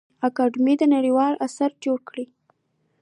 اکاډمي دي نړیوال اثار جوړ کړي.